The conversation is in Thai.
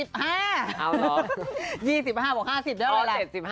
๒๕บอก๕๐ได้ว่าอะไร